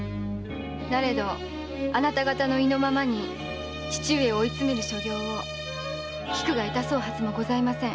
なれどあなた方の意のままに父上を追い詰める所業を菊が致そうはずもございません。